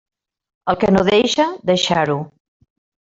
El que no deixa, deixar-ho.